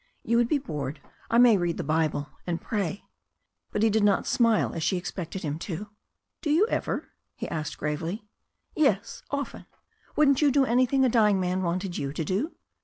"You would be bored. I may read the Bible and pray.*' But he did not smile, as she expected him to. "Do you ever?" he asked gravely. "Yes, often. Wouldn't you do anything a dying man wanted you to do?"